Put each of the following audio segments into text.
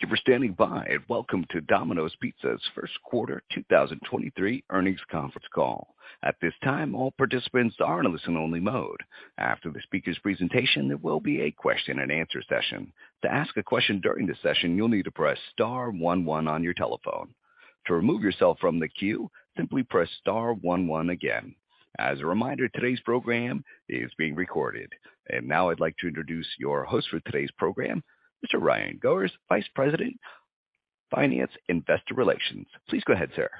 Thank you for standing by. Welcome to Domino's Pizza's first quarter 2023 earnings conference call. At this time, all participants are in a listen only mode. After the speaker's presentation, there will be a question and answer session. To ask a question during the session, you'll need to press star one one on your telephone. To remove yourself from the queue, simply press star one one again. As a reminder, today's program is being recorded. Now I'd like to introduce your host for today's program, Mr. Ryan Goers, Vice President, Finance, Investor Relations. Please go ahead, sir.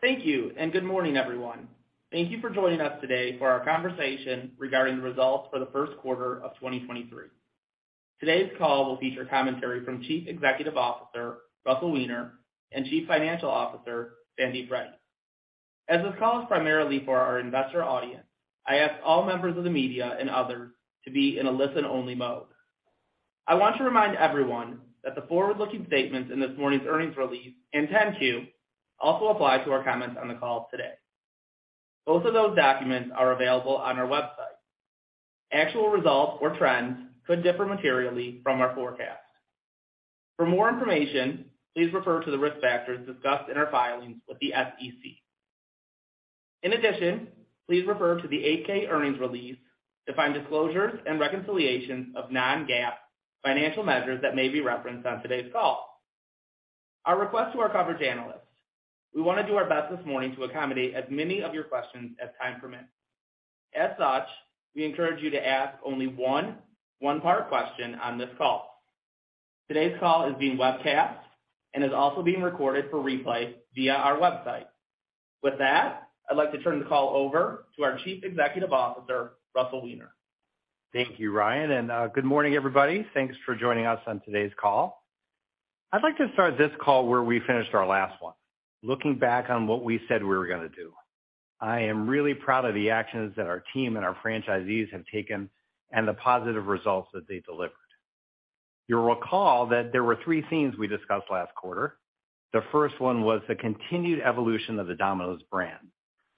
Thank you. Good morning, everyone. Thank you for joining us today for our conversation regarding the results for the first quarter of 2023. Today's call will feature commentary from Chief Executive Officer, Russell Weiner, and Chief Financial Officer, Sandeep Reddy. As this call is primarily for our investor audience, I ask all members of the media and others to be in a listen-only mode. I want to remind everyone that the forward-looking statements in this morning's earnings release and 10-Q also apply to our comments on the call today. Both of those documents are available on our website. Actual results or trends could differ materially from our forecast. For more information, please refer to the risk factors discussed in our filings with the SEC. In addition, please refer to the 8-K earnings release to find disclosures and reconciliations of non-GAAP financial measures that may be referenced on today's call. Our request to our coverage analysts. We want to do our best this morning to accommodate as many of your questions as time permits. As such, we encourage you to ask only one one-part question on this call. Today's call is being webcast and is also being recorded for replay via our website. With that, I'd like to turn the call over to our Chief Executive Officer, Russell Weiner. Thank you, Ryan, good morning, everybody. Thanks for joining us on today's call. I'd like to start this call where we finished our last one. Looking back on what we said we were gonna do. I am really proud of the actions that our team and our franchisees have taken and the positive results that they delivered. You'll recall that there were three themes we discussed last quarter. The first one was the continued evolution of the Domino's brand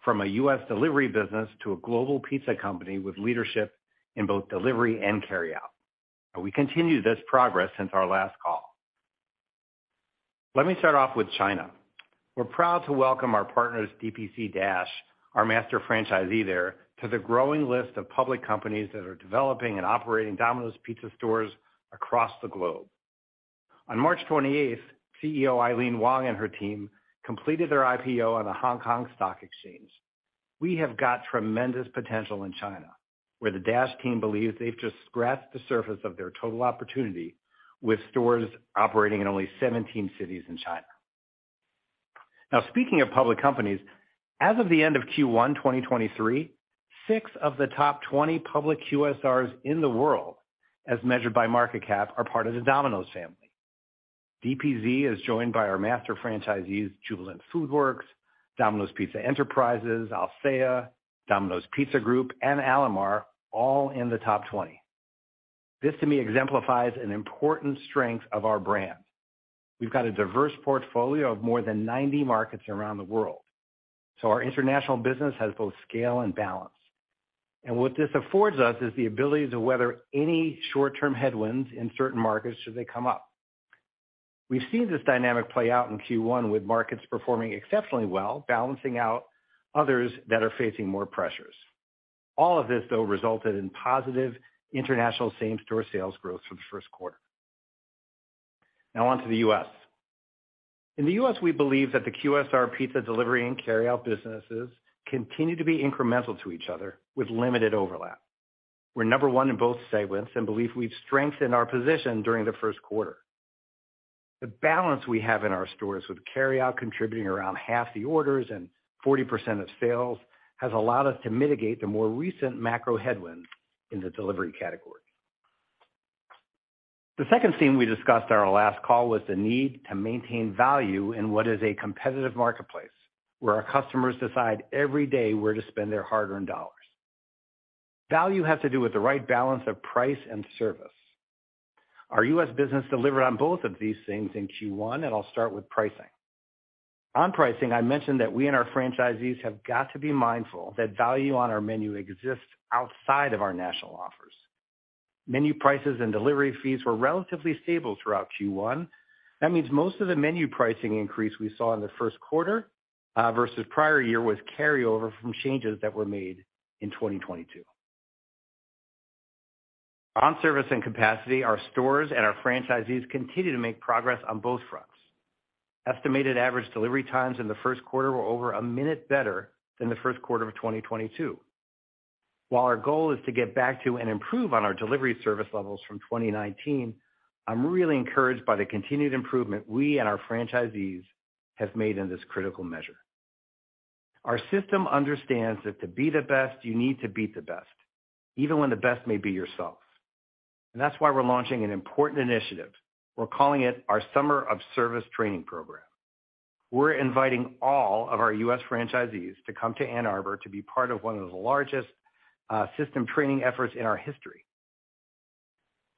from a U.S. delivery business to a global pizza company with leadership in both delivery and carry-out. We continue this progress since our last call. Let me start off with China. We're proud to welcome our partners, DPC Dash, our master franchisee there, to the growing list of public companies that are developing and operating Domino's Pizza stores across the globe. On March 28th, CEO Aileen Wang and her team completed their IPO on a Hong Kong Stock Exchange. We have got tremendous potential in China, where the Dash team believes they've just scratched the surface of their total opportunity with stores operating in only 17 cities in China. Speaking of public companies, as of the end of Q1 2023, six of the top 20 public QSRs in the world, as measured by market cap, are part of the Domino's family. DPZ is joined by our master franchisees, Jubilant FoodWorks, Domino's Pizza Enterprises, Alsea, Domino's Pizza Group, and Alamar, all in the top 20. This, to me, exemplifies an important strength of our brand. We've got a diverse portfolio of more than 90 markets around the world. Our international business has both scale and balance. What this affords us is the ability to weather any short-term headwinds in certain markets should they come up. We've seen this dynamic play out in Q one, with markets performing exceptionally well, balancing out others that are facing more pressures. All of this, though, resulted in positive international same-store sales growth for the first quarter. On to the U.S. In the U.S., we believe that the QSR pizza delivery and carry-out businesses continue to be incremental to each other with limited overlap. We're number one in both segments and believe we've strengthened our position during the first quarter. The balance we have in our stores, with carry out contributing around half the orders and 40% of sales, has allowed us to mitigate the more recent macro headwinds in the delivery category. The second theme we discussed at our last call was the need to maintain value in what is a competitive marketplace, where our customers decide every day where to spend their hard-earned dollars. Value has to do with the right balance of price and service. Our U.S. business delivered on both of these things in Q1. I'll start with pricing. On pricing, I mentioned that we and our franchisees have got to be mindful that value on our menu exists outside of our national offers. Menu prices and delivery fees were relatively stable throughout Q1. That means most of the menu pricing increase we saw in the first quarter versus prior year was carryover from changes that were made in 2022. On service and capacity, our stores and our franchisees continue to make progress on both fronts. Estimated average delivery times in the first quarter were over a minute better than the first quarter of 2022. While our goal is to get back to and improve on our delivery service levels from 2019, I'm really encouraged by the continued improvement we and our franchisees have made in this critical measure. Our system understands that to be the best, you need to beat the best, even when the best may be yourself. That's why we're launching an important initiative. We're calling it our Summer of Service training program. We're inviting all of our U.S. franchisees to come to Ann Arbor to be part of one of the largest system training efforts in our history.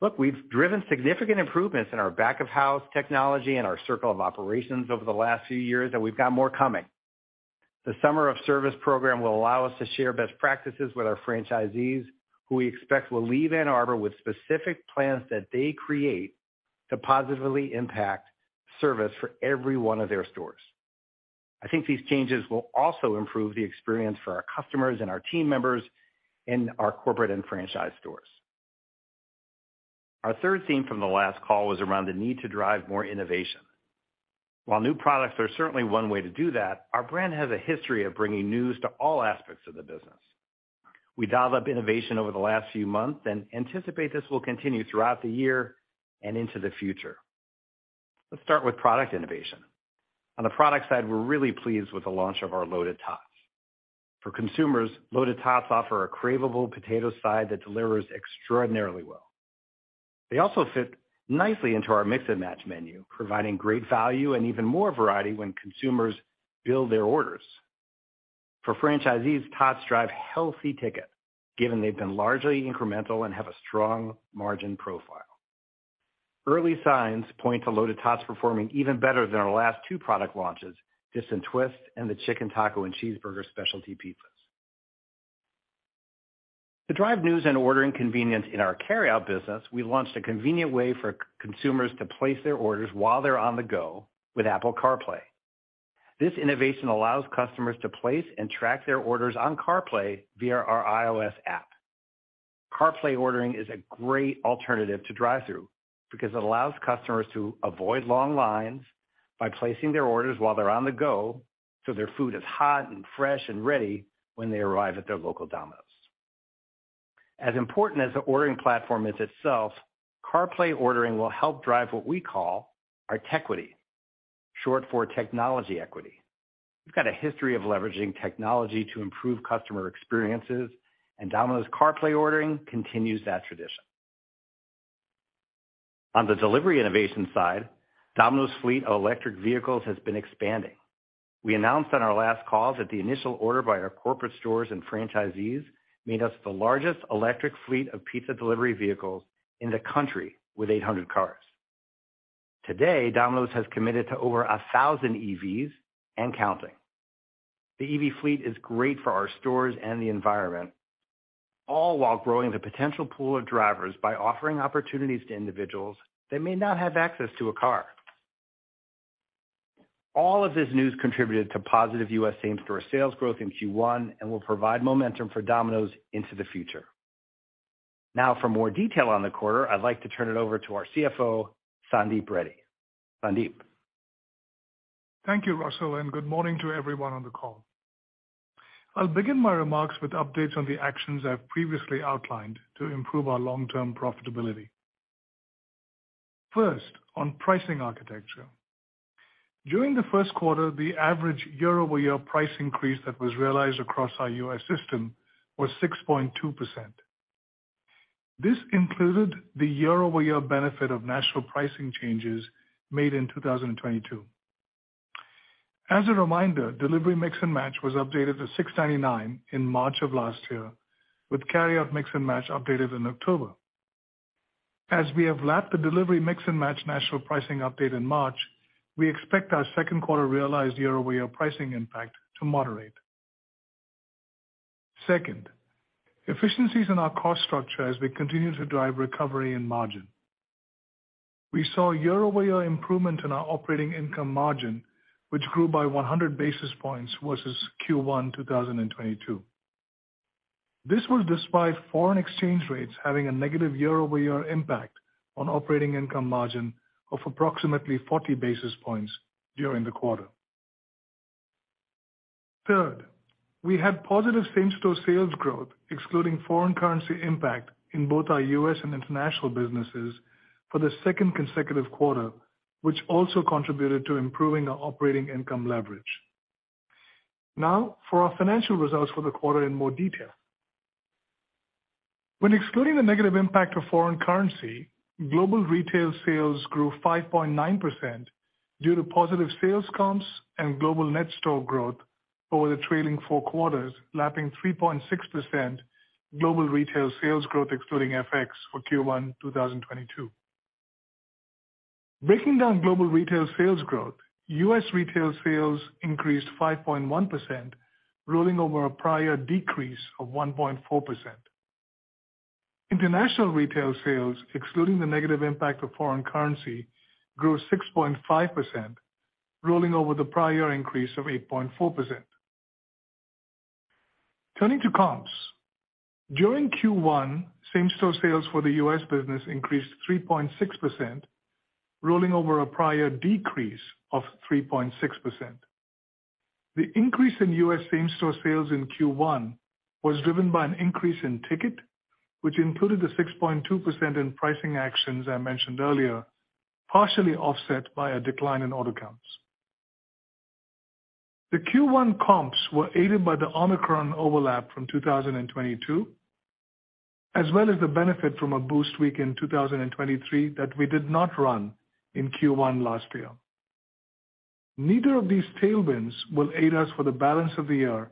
Look, we've driven significant improvements in our back-of-house technology and our circle of operations over the last few years, and we've got more coming. The Summer of Service program will allow us to share best practices with our franchisees who we expect will leave Ann Arbor with specific plans that they create to positively impact service for every one of their stores. I think these changes will also improve the experience for our customers and our team members in our corporate and franchise stores. Our third theme from the last call was around the need to drive more innovation. While new products are certainly one way to do that, our brand has a history of bringing news to all aspects of the business. We dialed up innovation over the last few months, and anticipate this will continue throughout the year and into the future. Let's start with product innovation. On the product side, we're really pleased with the launch of our Loaded Tots. For consumers, Loaded Tots offer a craveable potato side that delivers extraordinarily well. They also fit nicely into our Mix & Match menu, providing great value and even more variety when consumers build their orders. For franchisees, tots drive healthy ticket, given they've been largely incremental and have a strong margin profile. Early signs point to Loaded Tots performing even better than our last 2 product launches, Dip 'N Twist and the Chicken Taco and Cheeseburger Specialty Pizzas. To drive news and ordering convenience in our carryout business, we launched a convenient way for consumers to place their orders while they're on the go with Apple CarPlay. This innovation allows customers to place and track their orders on CarPlay via our iOS app. CarPlay ordering is a great alternative to drive-thru because it allows customers to avoid long lines by placing their orders while they're on the go, so their food is hot and fresh and ready when they arrive at their local Domino's. As important as the ordering platform is itself, CarPlay ordering will help drive what we call our Techquity, short for technology equity. We've got a history of leveraging technology to improve customer experiences. Domino's CarPlay ordering continues that tradition. On the delivery innovation side, Domino's fleet of electric vehicles has been expanding. We announced on our last call that the initial order by our corporate stores and franchisees made us the largest electric fleet of pizza delivery vehicles in the country with 800 cars. Today, Domino's has committed to over 1,000 EVs and counting. The EV fleet is great for our stores and the environment, all while growing the potential pool of drivers by offering opportunities to individuals that may not have access to a car. All of this news contributed to positive US same-store sales growth in Q1 and will provide momentum for Domino's into the future. For more detail on the quarter, I'd like to turn it over to our CFO, Sandeep Reddy. Sandeep. Thank you, Russell, and good morning to everyone on the call. I'll begin my remarks with updates on the actions I've previously outlined to improve our long-term profitability. First, on pricing architecture. During the first quarter, the average year-over-year price increase that was realized across our U.S. system was 6.2%. This included the year-over-year benefit of national pricing changes made in 2022. As a reminder, Delivery Mix & Match was updated to $6.99 in March of last year, with Carryout Mix & Match updated in October. As we have lapped the Delivery Mix & Match national pricing update in March, we expect our second quarter realized year-over-year pricing impact to moderate. Second, efficiencies in our cost structure as we continue to drive recovery and margin. We saw year-over-year improvement in our operating income margin, which grew by 100 basis points versus Q1 2022. This was despite foreign exchange rates having a negative year-over-year impact on operating income margin of approximately 40 basis points during the quarter. Third, we had positive same-store sales growth, excluding foreign currency impact in both our U.S. and international businesses for the second consecutive quarter, which also contributed to improving our operating income leverage. For our financial results for the quarter in more detail. When excluding the negative impact of foreign currency, global retail sales grew 5.9% due to positive sales comps and global net store growth over the trailing 4 quarters, lapping 3.6% global retail sales growth, excluding FX for Q1 2022. Breaking down global retail sales growth, U.S. retail sales increased 5.1%, rolling over a prior decrease of 1.4%. International retail sales, excluding the negative impact of foreign currency, grew 6.5%, rolling over the prior increase of 8.4%. Turning to comps. During Q1, same-store sales for the U.S. business increased 3.6%, rolling over a prior decrease of 3.6%. The increase in U.S. same-store sales in Q1 was driven by an increase in ticket, which included the 6.2% in pricing actions I mentioned earlier, partially offset by a decline in order counts. The Q1 comps were aided by the Omicron overlap from 2022, as well as the benefit from a Boost Week in 2023 that we did not run in Q1 last year. Neither of these tailwinds will aid us for the balance of the year,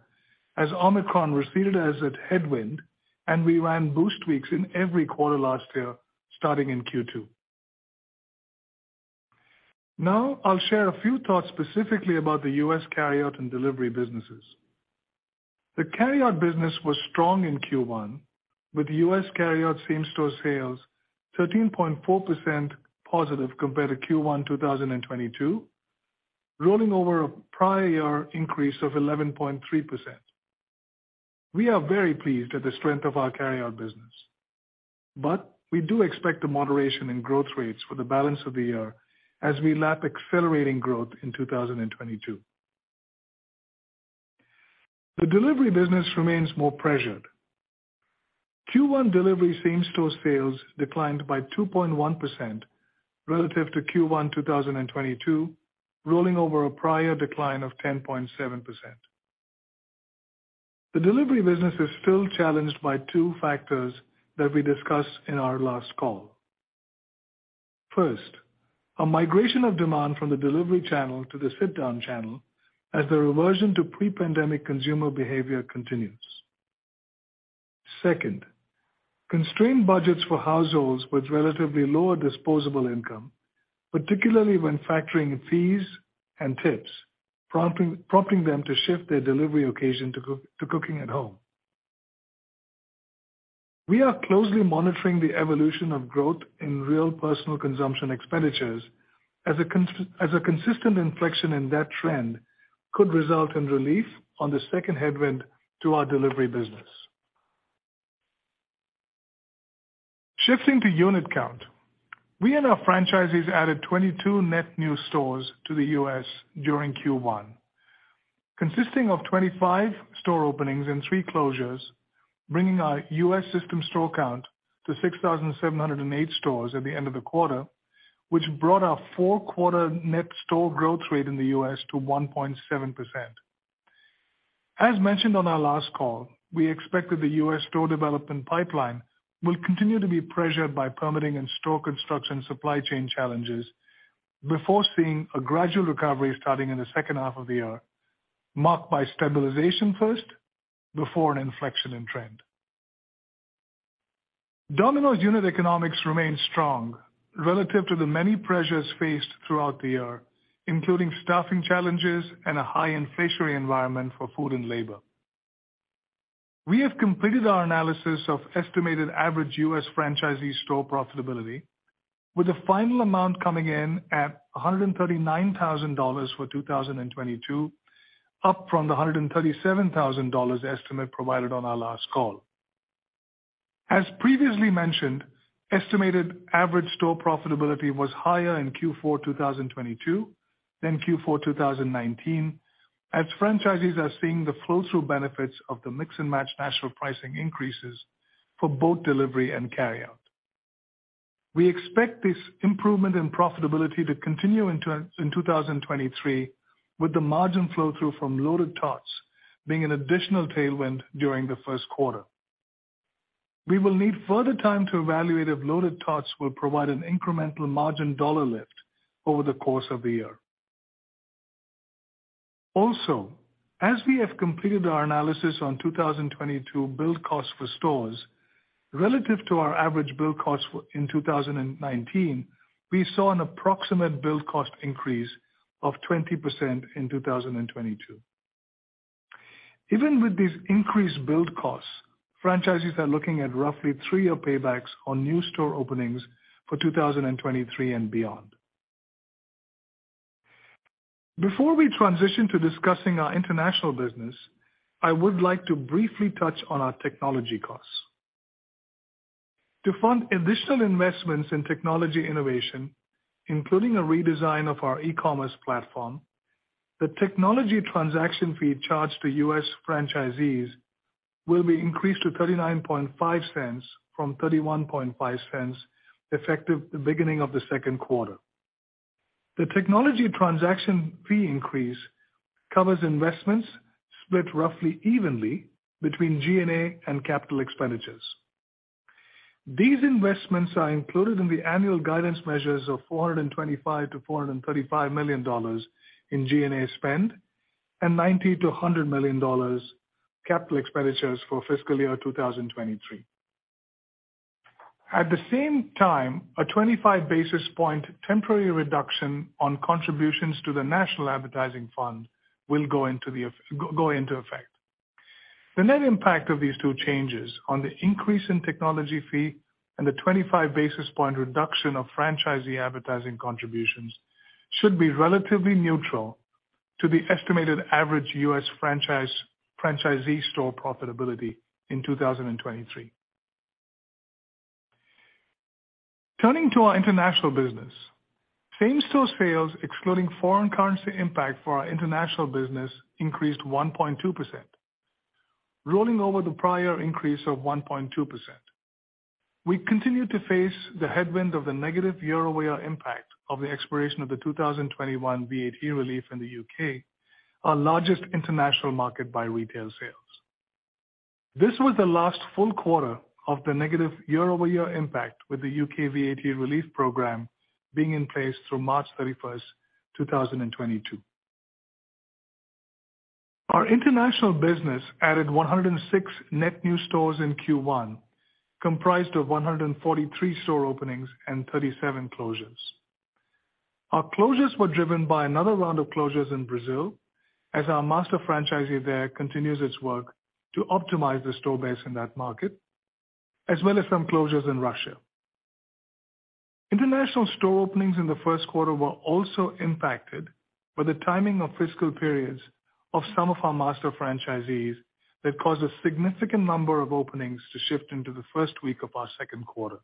as Omicron receded as a headwind and we ran Boost Weeks in every quarter last year, starting in Q2. Now I'll share a few thoughts specifically about the US carryout and delivery businesses. The carryout business was strong in Q1, with US carryout same-store sales 13.4% positive compared to Q1 2022, rolling over a prior increase of 11.3%. We are very pleased at the strength of our carryout business, we do expect a moderation in growth rates for the balance of the year as we lap accelerating growth in 2022. The delivery business remains more pressured. Q1 delivery same-store sales declined by 2.1% relative to Q1 2022, rolling over a prior decline of 10.7%. The delivery business is still challenged by two factors that we discussed in our last call. First, a migration of demand from the delivery channel to the sit-down channel as the reversion to pre-pandemic consumer behavior continues. Second, constrained budgets for households with relatively lower disposable income, particularly when factoring fees and tips, prompting them to shift their delivery occasion to cooking at home. We are closely monitoring the evolution of growth in real personal consumption expenditures as a consistent inflection in that trend could result in relief on the second headwind to our delivery business. Shifting to unit count. We and our franchisees added 22 net new stores to the U.S. during Q1, consisting of 25 store openings and 3 closures, bringing our U.S. system store count to 6,708 stores at the end of the quarter, which brought our 4-quarter net store growth rate in the U.S. to 1.7%. As mentioned on our last call, we expect that the U.S. store development pipeline will continue to be pressured by permitting and store construction supply chain challenges before seeing a gradual recovery starting in the second half of the year, marked by stabilization first before an inflection in trend. Domino's unit economics remain strong relative to the many pressures faced throughout the year, including staffing challenges and a high inflationary environment for food and labor. We have completed our analysis of estimated average U.S. franchisee store profitability, with the final amount coming in at $139,000 for 2022, up from the $137,000 estimate provided on our last call. As previously mentioned, estimated average store profitability was higher in Q4 2022 than Q4 2019, as franchisees are seeing the flow-through benefits of the Mix & Match national pricing increases for both delivery and carryout. We expect this improvement in profitability to continue in 2023, with the margin flow-through from Loaded Tots being an additional tailwind during the first quarter. We will need further time to evaluate if Loaded Tots will provide an incremental margin dollar lift over the course of the year. Also, as we have completed our analysis on 2022 build costs for stores relative to our average build costs for in 2019, we saw an approximate build cost increase of 20% in 2022. Even with these increased build costs, franchisees are looking at roughly 3-year paybacks on new store openings for 2023 and beyond. Before we transition to discussing our international business, I would like to briefly touch on our technology costs. To fund additional investments in technology innovation, including a redesign of our e-commerce platform, the technology transaction fee charged to U.S. franchisees will be increased to $0.395 from $0.315, effective the beginning of the second quarter. The technology transaction fee increase covers investments split roughly evenly between G&A and capital expenditures. These investments are included in the annual guidance measures of $425 million-$435 million in G&A spend and $90 million-$100 million capital expenditures for fiscal year 2023. At the same time, a 25 basis point temporary reduction on contributions to the National Advertising Fund will go into effect. The net impact of these two changes on the increase in technology fee and the 25 basis point reduction of franchisee advertising contributions should be relatively neutral to the estimated average U.S. franchise, franchisee store profitability in 2023. Turning to our international business. Same-store sales excluding foreign currency impact for our international business increased 1.2%, rolling over the prior increase of 1.2%. We continue to face the headwind of the negative year-over-year impact of the expiration of the 2021 VAT relief in the UK, our largest international market by retail sales. This was the last full quarter of the negative year-over-year impact, with the UK VAT relief program being in place through March 31, 2022. Our international business added 106 net new stores in Q1, comprised of 143 store openings and 37 closures. Our closures were driven by another round of closures in Brazil as our master franchisee there continues its work to optimize the store base in that market, as well as some closures in Russia. International store openings in the first quarter were also impacted by the timing of fiscal periods of some of our master franchisees that caused a significant number of openings to shift into the first week of our second quarter.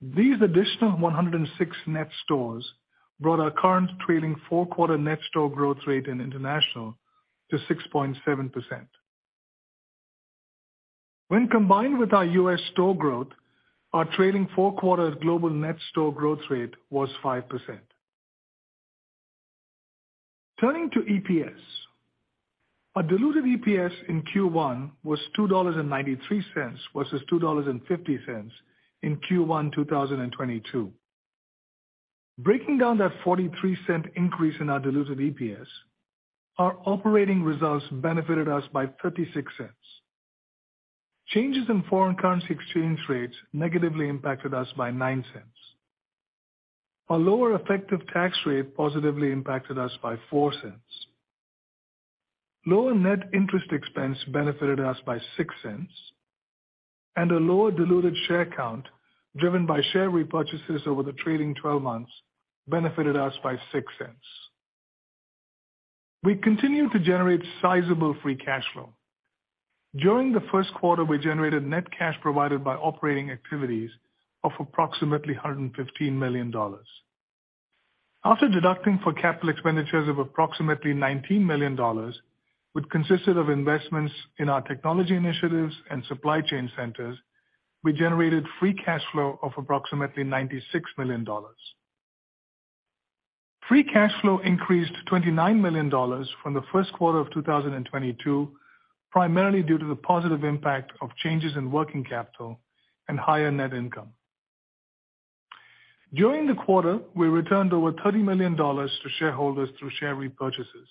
These additional 106 net stores brought our current trailing four quarter net store growth rate in international to 6.7%. When combined with our U.S. store growth, our trailing four quarter global net store growth rate was 5%. Turning to EPS. Our diluted EPS in Q1 was $2.93 versus $2.50 in Q1 2022. Breaking down that $0.43 increase in our diluted EPS, our operating results benefited us by $0.36. Changes in foreign currency exchange rates negatively impacted us by $0.09. Our lower effective tax rate positively impacted us by $0.04. Lower net interest expense benefited us by $0.06. A lower diluted share count driven by share repurchases over the trailing 12 months benefited us by $0.06. We continue to generate sizable free cash flow. During the first quarter, we generated net cash provided by operating activities of approximately $115 million. After deducting for capital expenditures of approximately $19 million, which consisted of investments in our technology initiatives and supply chain centers, we generated free cash flow of approximately $96 million. Free cash flow increased $29 million from the first quarter of 2022, primarily due to the positive impact of changes in working capital and higher net income. During the quarter, we returned over $30 million to shareholders through share repurchases.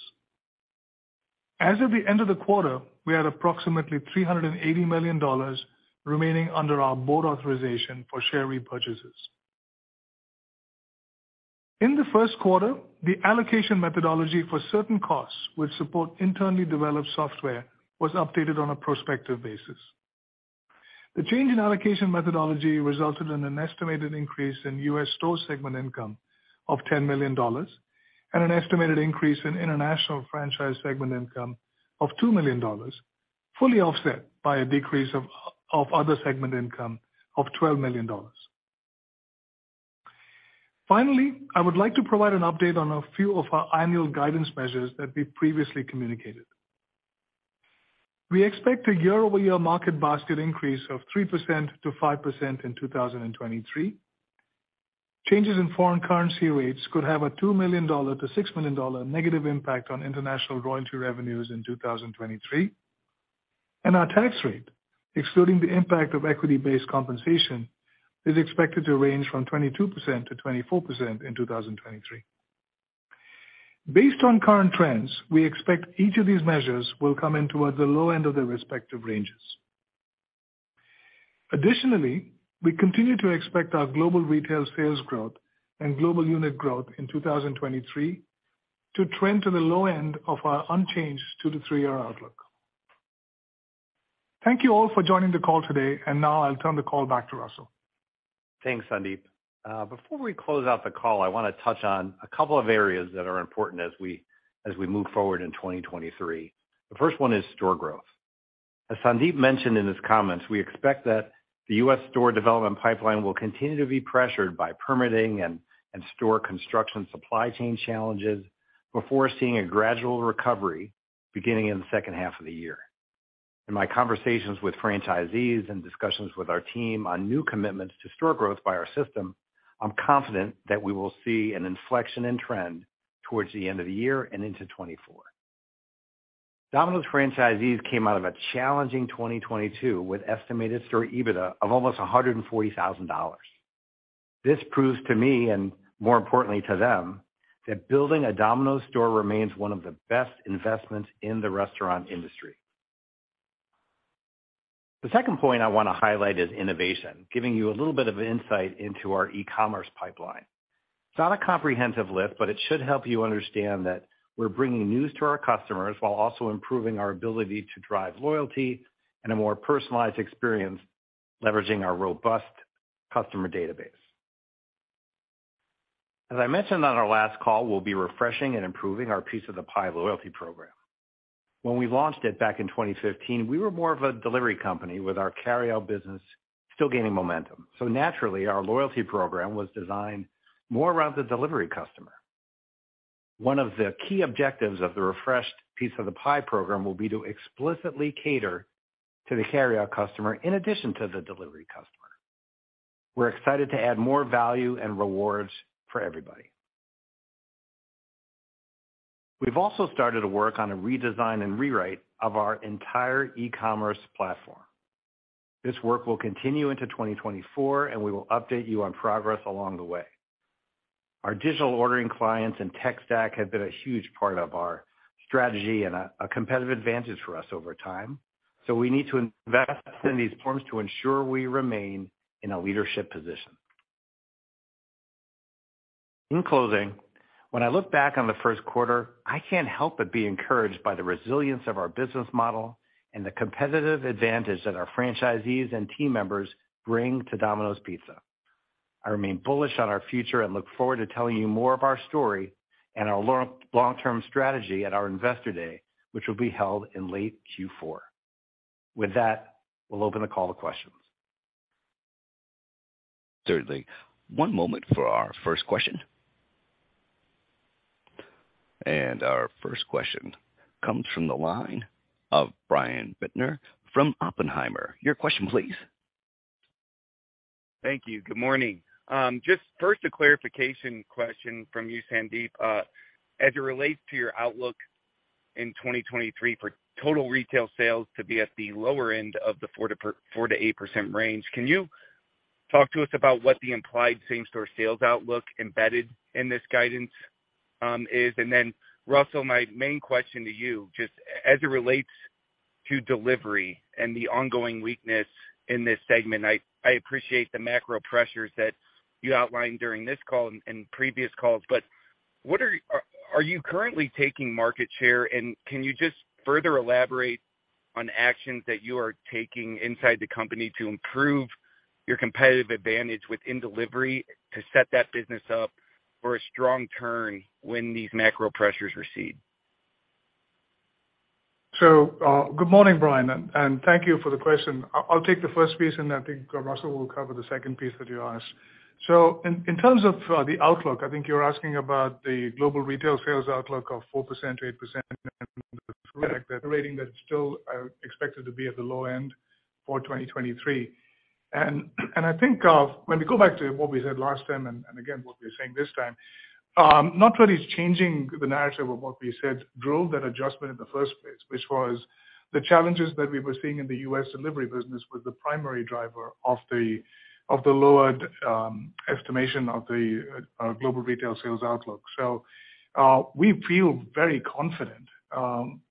As of the end of the quarter, we had approximately $380 million remaining under our board authorization for share repurchases. In the first quarter, the allocation methodology for certain costs which support internally developed software was updated on a prospective basis. The change in allocation methodology resulted in an estimated increase in U.S. store segment income of $10 million and an estimated increase in international franchise segment income of $2 million, fully offset by a decrease of other segment income of $12 million. Finally, I would like to provide an update on a few of our annual guidance measures that we previously communicated. We expect a year-over-year market basket increase of 3%-5% in 2023. Changes in foreign currency rates could have a $2 million-$6 million negative impact on international royalty revenues in 2023. Our tax rate, excluding the impact of equity-based compensation, is expected to range from 22%-24% in 2023. Based on current trends, we expect each of these measures will come in towards the low end of their respective ranges. Additionally, we continue to expect our global retail sales growth and global unit growth in 2023 to trend to the low end of our unchanged 2-3-year outlook. Thank you all for joining the call today. Now I'll turn the call back to Russell. Thanks, Sandeep. Before we close out the call, I want to touch on a couple of areas that are important as we move forward in 2023. The first one is store growth. As Sandeep mentioned in his comments, we expect that the U.S. store development pipeline will continue to be pressured by permitting and store construction supply chain challenges before seeing a gradual recovery beginning in the second half of the year. In my conversations with franchisees and discussions with our team on new commitments to store growth by our system, I'm confident that we will see an inflection in trend towards the end of the year and into 2024. Domino's franchisees came out of a challenging 2022 with estimated store EBITDA of almost $140,000. This proves to me, and more importantly to them, that building a Domino's store remains one of the best investments in the restaurant industry. The second point I wanna highlight is innovation, giving you a little bit of insight into our e-commerce pipeline. It's not a comprehensive list, but it should help you understand that we're bringing news to our customers while also improving our ability to drive loyalty and a more personalized experience, leveraging our robust customer database. As I mentioned on our last call, we'll be refreshing and improving our Piece of the Pie loyalty program. When we launched it back in 2015, we were more of a delivery company with our carryout business still gaining momentum. Naturally, our loyalty program was designed more around the delivery customer. One of the key objectives of the refreshed Piece of the Pie program will be to explicitly cater to the carryout customer in addition to the delivery customer. We're excited to add more value and rewards for everybody. We've also started to work on a redesign and rewrite of our entire e-commerce platform. This work will continue into 2024. We will update you on progress along the way. Our digital ordering clients and tech stack have been a huge part of our strategy and a competitive advantage for us over time. We need to invest in these forms to ensure we remain in a leadership position. In closing, when I look back on the first quarter, I can't help but be encouraged by the resilience of our business model and the competitive advantage that our franchisees and team members bring to Domino's Pizza. I remain bullish on our future and look forward to telling you more of our story and our long-term strategy at our Investor Day, which will be held in late Q4. We'll open the call to questions. Certainly. One moment for our first question. Our first question comes from the line of Brian Bittner from Oppenheimer. Your question please. Thank you. Good morning. Just first a clarification question from you, Sandeep. As it relates to your outlook in 2023 for total retail sales to be at the lower end of the 4%-8% range, can you talk to us about what the implied same-store sales outlook embedded in this guidance is? Russell, my main question to you, just as it relates to delivery and the ongoing weakness in this segment, I appreciate the macro pressures that you outlined during this call and previous calls, but are you currently taking market share, and can you just further elaborate on actions that you are taking inside the company to improve your competitive advantage within delivery to set that business up for a strong turn when these macro pressures recede? Good morning, Brian, and thank you for the question. I'll take the first piece, and I think Russell will cover the second piece that you asked. In terms of the outlook, I think you're asking about the global retail sales outlook of 4%-8% rating that still expected to be at the low end for 2023. I think of when we go back to what we said last time and again what we're saying this time, not really changing the narrative of what we said drove that adjustment in the first place, which was the challenges that we were seeing in the U.S. delivery business was the primary driver of the lowered estimation of the global retail sales outlook. We feel very confident,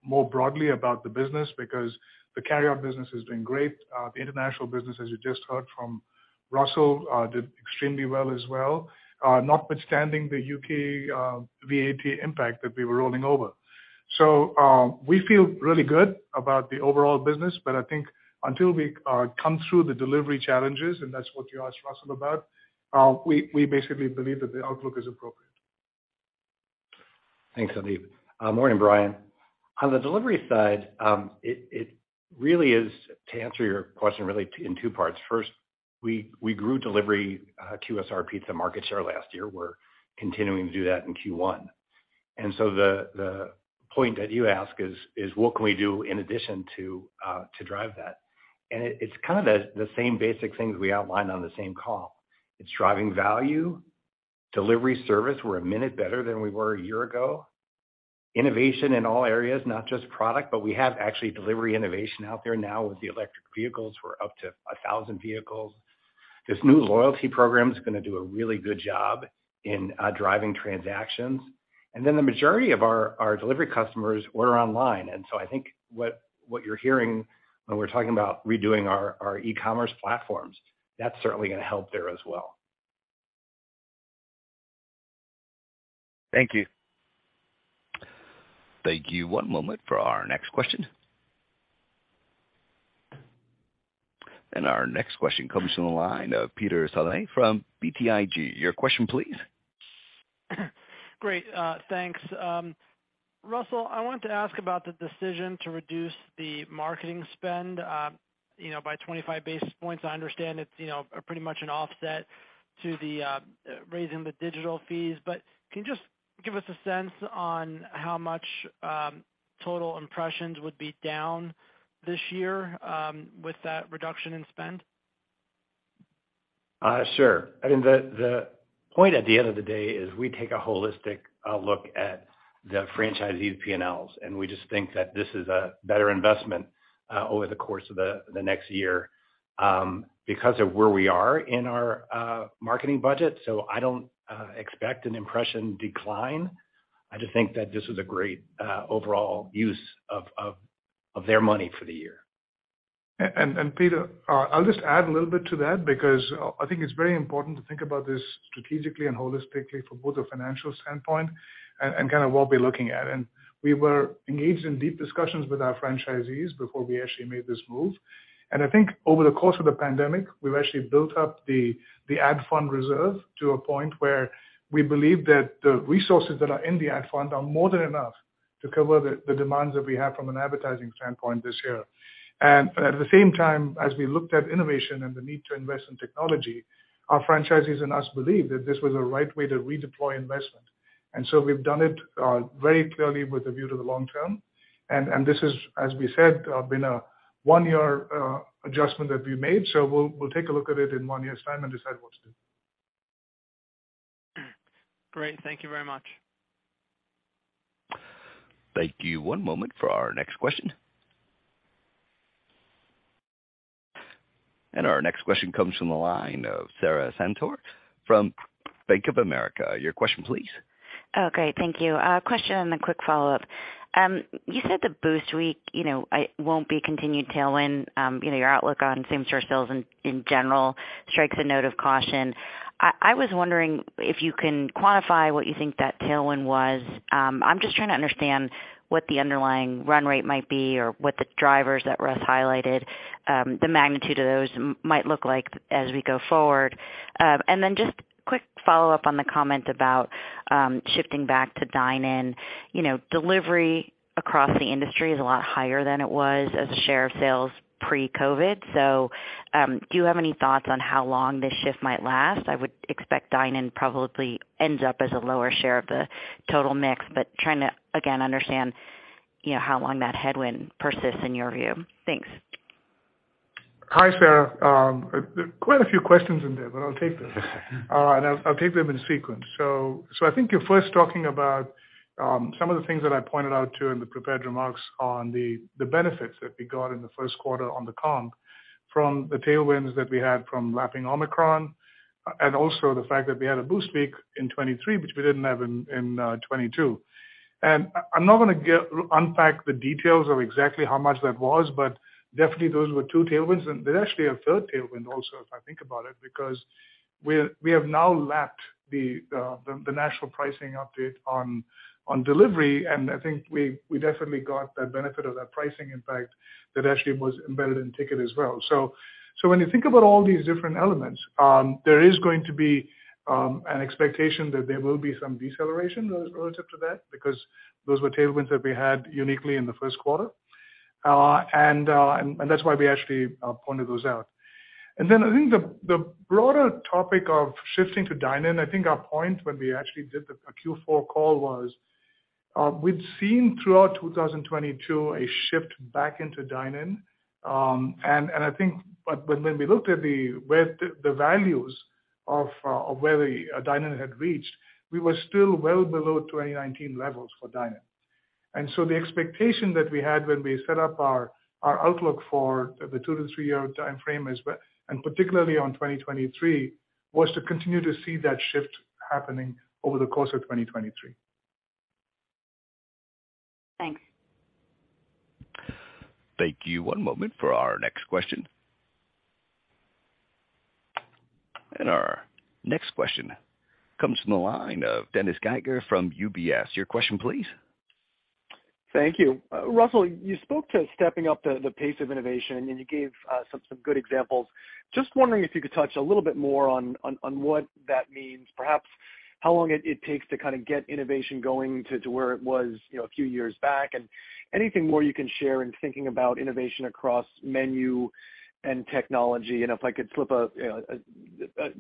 more broadly about the business because the carryout business has been great. The international business, as you just heard from Russell, did extremely well as well, notwithstanding the UK VAT impact that we were rolling over. We feel really good about the overall business, but I think until we come through the delivery challenges, and that's what you asked Russell about, we basically believe that the outlook is appropriate. Thanks, Sandeep. Morning, Brian. On the delivery side, it really is to answer your question really in 2 parts. First, we grew delivery QSR pizza market share last year. We're continuing to do that in Q1. The point that you ask is what can we do in addition to drive that? It's kind of the same basic things we outlined on the same call. It's driving value, delivery service, we're a minute better than we were a year ago. Innovation in all areas, not just product, but we have actually delivery innovation out there now with the electric vehicles. We're up to 1,000 vehicles. This new loyalty program is gonna do a really good job in driving transactions. The majority of our delivery customers order online. I think what you're hearing when we're talking about redoing our e-commerce platforms, that's certainly gonna help there as well. Thank you. Thank you. One moment for our next question. Our next question comes from the line of Peter Saleh from BTIG. Your question please. Great, thanks. Russell, I wanted to ask about the decision to reduce the marketing spend, you know, by 25 basis points. I understand it's, you know, a pretty much an offset to the raising the digital fees. Can you just give us a sense on how much total impressions would be down this year with that reduction in spend? Sure. I mean, the point at the end of the day is we take a holistic look at the franchisees' P&Ls, and we just think that this is a better investment over the course of the next year, because of where we are in our marketing budget. I don't expect an impression decline. I just think that this is a great overall use of their money for the year. Peter, I'll just add a little bit to that because I think it's very important to think about this strategically and holistically from both a financial standpoint and kind of what we're looking at. We were engaged in deep discussions with our franchisees before we actually made this move. I think over the course of the pandemic, we've actually built up the Ad Fund reserve to a point where we believe that the resources that are in the Ad Fund are more than enough to cover the demands that we have from an advertising standpoint this year. At the same time, as we looked at innovation and the need to invest in technology, our franchisees and us believe that this was a right way to redeploy investment. We've done it, very clearly with a view to the long term. This is, as we said, been a 1-year adjustment that we made. We'll take a look at it in 1 year's time and decide what to do. Great. Thank you very much. Thank you. One moment for our next question. Our next question comes from the line of Sara Senatore from Bank of America. Your question please. Great. Thank you. Question and a quick follow-up. You said the Boost Week, you know, won't be continued tailwind. You know, your outlook on same-store sales in general strikes a note of caution. I was wondering if you can quantify what you think that tailwind was. I'm just trying to understand what the underlying run rate might be or what the drivers that Russ highlighted, the magnitude of those might look like as we go forward. Then just quick follow-up on the comment about shifting back to dine-in. You know, delivery across the industry is a lot higher than it was as a share of sales pre-COVID. Do you have any thoughts on how long this shift might last? I would expect dine-in probably ends up as a lower share of the total mix. Trying to, again, understand, you know, how long that headwind persists in your view. Thanks. Hi, Sarah. There are quite a few questions in there, but I'll take them. I'll take them in sequence. I think you're first talking about some of the things that I pointed out to in the prepared remarks on the benefits that we got in the first quarter on the comp from the tailwinds that we had from lapping Omicron, and also the fact that we had a Boost Week in 2023, which we didn't have in 2022. I'm not gonna unpack the details of exactly how much that was, but definitely those were two tailwinds. There's actually a third tailwind also, if I think about it, because we have now lapped the national pricing update on delivery, and I think we definitely got that benefit of that pricing impact that actually was embedded in ticket as well. When you think about all these different elements, there is going to be an expectation that there will be some deceleration relative to that because those were tailwinds that we had uniquely in the first quarter. And that's why we actually pointed those out. I think the broader topic of shifting to dine-in, I think our point when we actually did the Q4 call was, we'd seen throughout 2022 a shift back into dine-in. When we looked at where the values of where the dine-in had reached, we were still well below 2019 levels for dine-in. The expectation that we had when we set up our outlook for the 2-3-year timeframe, and particularly on 2023, was to continue to see that shift happening over the course of 2023. Thanks. Thank you. One moment for our next question. Our next question comes from the line of Dennis Geiger from UBS. Your question please. Thank you. Russell, you spoke to stepping up the pace of innovation, and you gave some good examples. Just wondering if you could touch a little bit more on what that means, perhaps how long it takes to kinda get innovation going to where it was, you know, a few years back, and anything more you can share in thinking about innovation across menu and technology. If I could slip a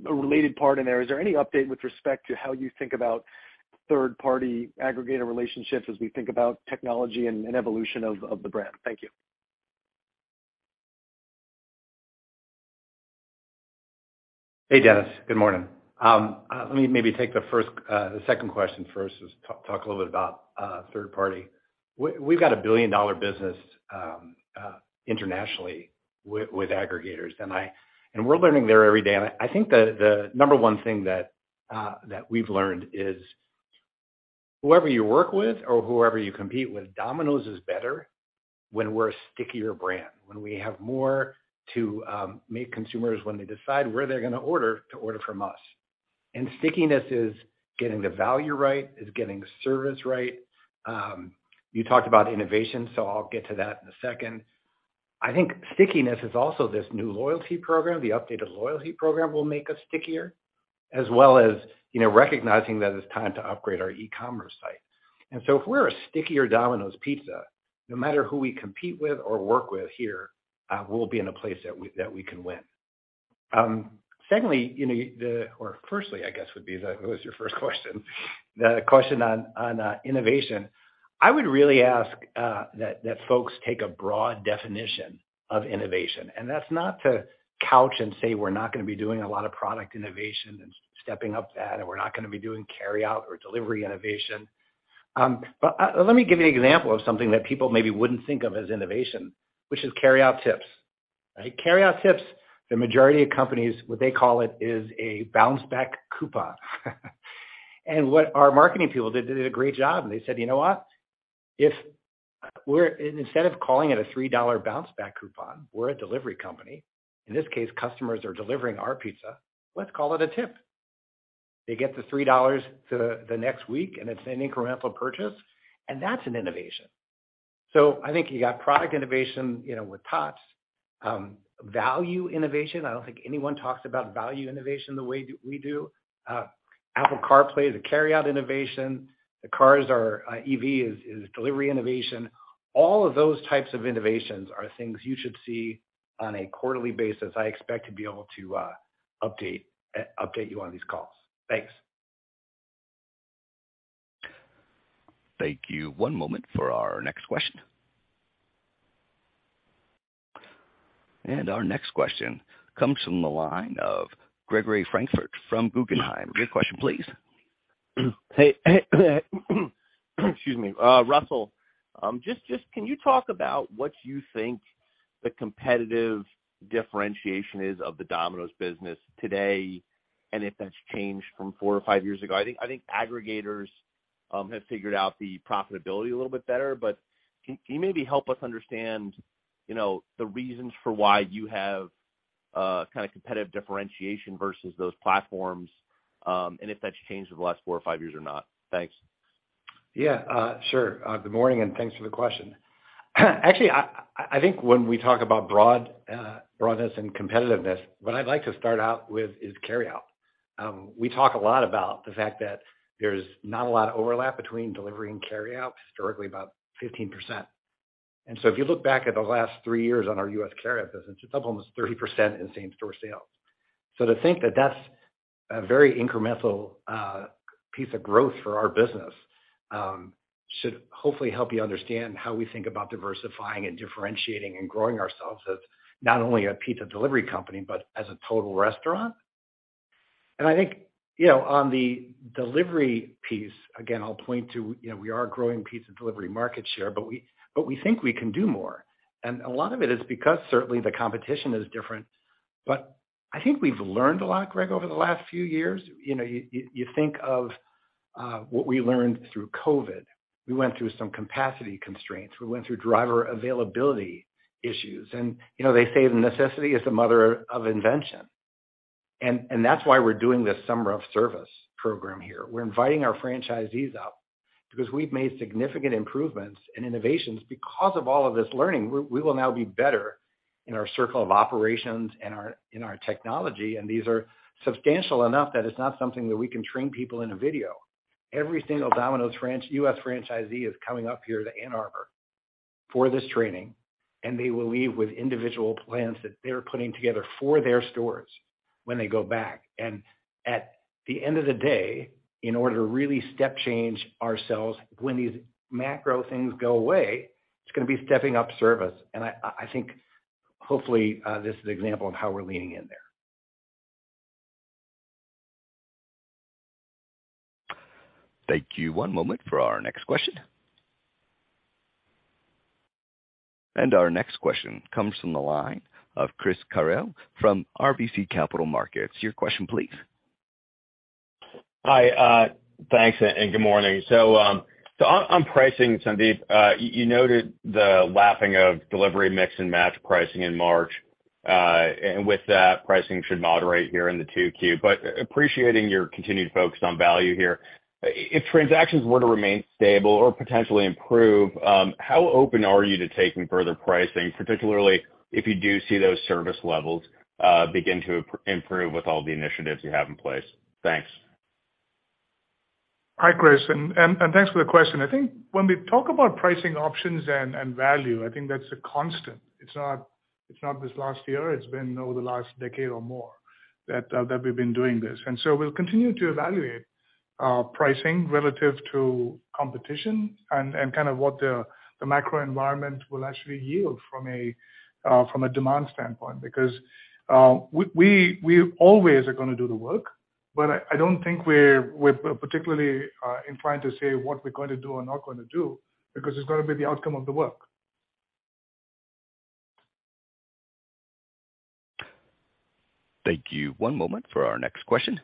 related part in there, is there any update with respect to how you think about third-party aggregator relationships as we think about technology and evolution of the brand? Thank you. Hey, Dennis. Good morning. Let me maybe take the first, the second question first, is talk a little bit about third party. We've got a billion-dollar business internationally with aggregators, and we're learning there every day. I think the number one thing that we've learned is whoever you work with or whoever you compete with, Domino's is better when we're a stickier brand, when we have more to make consumers, when they decide where they're gonna order, to order from us. Stickiness is getting the value right, it's getting the service right. You talked about innovation, so I'll get to that in a second. I think stickiness is also this new loyalty program. The updated loyalty program will make us stickier, as well as, you know, recognizing that it's time to upgrade our e-commerce site. If we're a stickier Domino's Pizza, no matter who we compete with or work with here, we'll be in a place that we, that we can win. Secondly, you know, or firstly, I guess would be the, it was your first question. The question on innovation. I would really ask that folks take a broad definition of innovation, and that's not to couch and say we're not gonna be doing a lot of product innovation and stepping up that, and we're not gonna be doing carry out or delivery innovation. Let me give you an example of something that people maybe wouldn't think of as innovation, which is Carryout Tips. Right? Carryout Tips, the majority of companies, what they call it is a bounce back coupon. What our marketing people did, they did a great job, they said, "You know what? If instead of calling it a $3 bounce back coupon, we're a delivery company. In this case, customers are delivering our pizza. Let's call it a tip." They get the $3 the next week, and it's an incremental purchase, and that's an innovation. I think you got product innovation, you know, with Tots. Value innovation. I don't think anyone talks about value innovation the way we do. Apple CarPlay is a carryout innovation. The cars are, EV is delivery innovation. All of those types of innovations are things you should see on a quarterly basis I expect to be able to update you on these calls. Thanks. Thank you. One moment for our next question. Our next question comes from the line of Gregory Francfort from Guggenheim. Your question, please. Hey, excuse me. Russell, can you talk about what you think the competitive differentiation is of the Domino's business today, and if that's changed from four or five years ago? I think aggregators have figured out the profitability a little bit better, but can you maybe help us understand, you know, the reasons for why you have kind of competitive differentiation versus those platforms, and if that's changed over the last four or five years or not? Thanks. Yeah. Sure. Good morning, and thanks for the question. Actually, I think when we talk about broad broadness and competitiveness, what I'd like to start out with is carryout. We talk a lot about the fact that there's not a lot of overlap between delivery and carryout, historically about 15%. If you look back at the last three years on our US carryout business, it's up almost 30% in same-store sales. To think that that's a very incremental piece of growth for our business, should hopefully help you understand how we think about diversifying and differentiating and growing ourselves as not only a pizza delivery company, but as a total restaurant. I think, you know, on the delivery piece, again, I'll point to, you know, we are growing pizza delivery market share, but we think we can do more. A lot of it is because certainly the competition is different. I think we've learned a lot, Greg, over the last few years. You know, you think of what we learned through COVID. We went through some capacity constraints. We went through driver availability issues. You know, they say necessity is the mother of invention. That's why we're doing this Summer of Service program here. We're inviting our franchisees up because we've made significant improvements and innovations. Of all of this learning, we will now be better in our circle of operations and in our technology. These are substantial enough that it's not something that we can train people in a video. Every single Domino's U.S. franchisee is coming up here to Ann Arbor for this training, and they will leave with individual plans that they're putting together for their stores when they go back. At the end of the day, in order to really step change ourselves when these macro things go away, it's gonna be stepping up service. I think hopefully, this is an example of how we're leaning in there. Thank you. One moment for our next question. Our next question comes from the line of Chris Carril from RBC Capital Markets. Your question, please. Hi, thanks and good morning. On pricing, Sandeep, you noted the lapping of delivery Mix & Match pricing in March, and with that, pricing should moderate here in the 2Q. Appreciating your continued focus on value here, if transactions were to remain stable or potentially improve, how open are you to taking further pricing, particularly if you do see those service levels begin to improve with all the initiatives you have in place? Thanks. Hi, Chris, and thanks for the question. I think when we talk about pricing options and value, I think that's a constant. It's not, it's not this last year. It's been over the last decade or more that we've been doing this. We'll continue to evaluate pricing relative to competition and kind of what the macro environment will actually yield from a demand standpoint. Because we always are gonna do the work, but I don't think we're particularly inclined to say what we're gonna do or not gonna do because it's gonna be the outcome of the work. Thank you. One moment for our next question.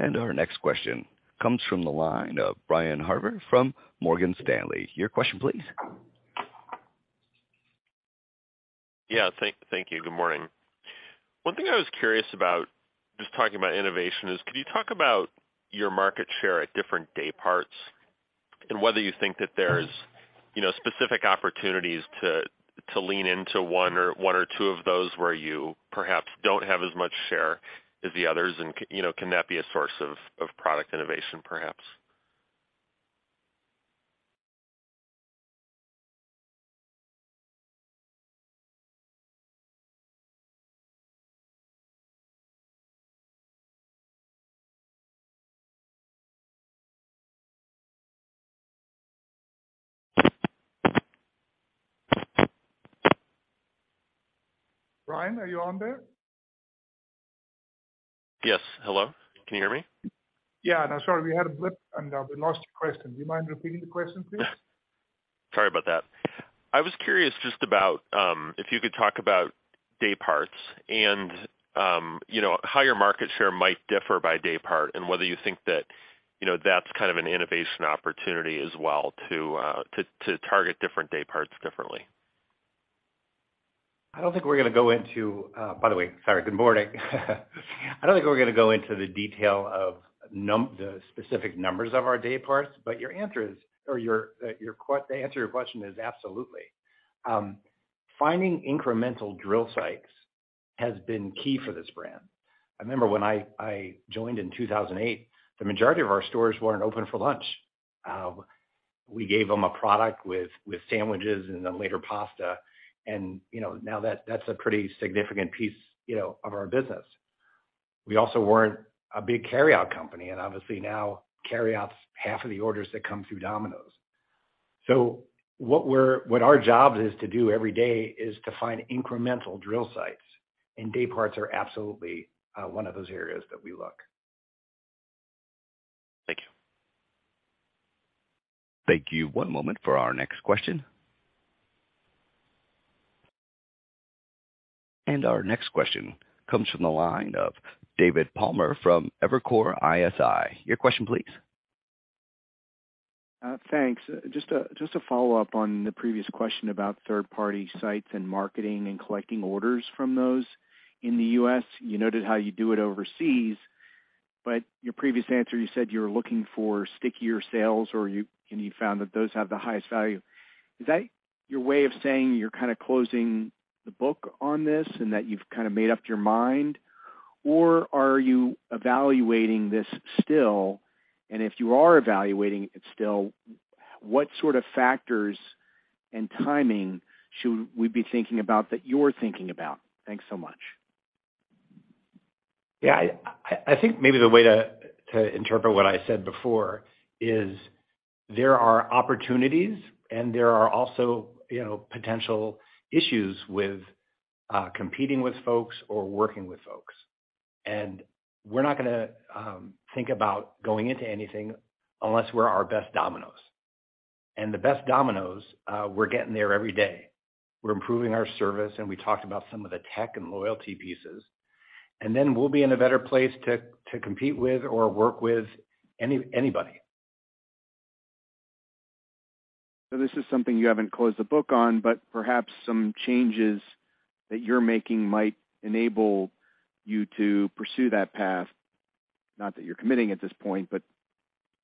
Our next question comes from the line of Brian Harbour from Morgan Stanley. Your question, please. Yeah. Thank you. Good morning. One thing I was curious about, just talking about innovation, is could you talk about your market share at different day parts and whether you think that there's, you know, specific opportunities to lean into one or two of those where you perhaps don't have as much share as the others and you know, can that be a source of product innovation perhaps? Brian, are you on there? Yes. Hello? Can you hear me? Yeah. No, sorry. We had a blip, and we lost your question. Do you mind repeating the question, please? Sorry about that. I was curious just about, if you could talk about day parts and, you know, how your market share might differ by day part and whether you think that, you know, that's kind of an innovation opportunity as well to target different day parts differently. I don't think we're gonna go into. By the way, sorry, good morning. I don't think we're gonna go into the detail of the specific numbers of our day parts, but your answer is or your the answer to your question is absolutely. Finding incremental drill sites has been key for this brand. I remember when I joined in 2008, the majority of our stores weren't open for lunch. We gave them a product with sandwiches and then later pasta and, you know, now that's a pretty significant piece, you know, of our business. We also weren't a big carryout company, and obviously now carryout's half of the orders that come through Domino's. What our job is to do every day is to find incremental drill sites, and dayparts are absolutely one of those areas that we look. Thank you. Thank you. One moment for our next question. Our next question comes from the line of David Palmer from Evercore ISI. Your question please. Thanks. Just a follow-up on the previous question about third-party sites and marketing and collecting orders from those in the US. You noted how you do it overseas, but your previous answer, you said you were looking for stickier sales and you found that those have the highest value. Is that your way of saying you're kind of closing the book on this and that you've kind of made up your mind? Or are you evaluating this still? If you are evaluating it still, what sort of factors and timing should we be thinking about that you're thinking about? Thanks so much. Yeah. I think maybe the way to interpret what I said before is there are opportunities and there are also, you know, potential issues with competing with folks or working with folks. We're not gonna think about going into anything unless we're our best Domino's. The best Domino's, we're getting there every day. We're improving our service, and we talked about some of the tech and loyalty pieces. Then we'll be in a better place to compete with or work with anybody. This is something you haven't closed the book on, but perhaps some changes that you're making might enable you to pursue that path. Not that you're committing at this point, but